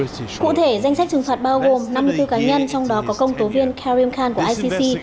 cụ thể danh sách trừng phạt bao gồm năm mươi bốn cá nhân trong đó có công tố viên karim khan của icc